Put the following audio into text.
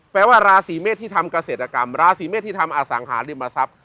แปลว่าราศีเมษที่ทำเกษตรกรรมราศีเมษที่ทำอสังหาริมทรัพย์